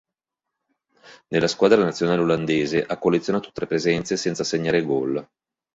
Nella squadra nazionale olandese ha collezionato tre presenze senza segnare gol.